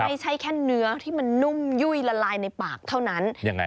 ไม่ใช่แค่เนื้อที่มันนุ่มยุ่ยละลายในปากเท่านั้นยังไง